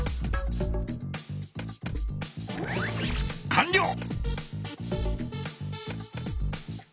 かんりょう！